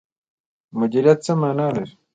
مدیریت څه مانا لري؟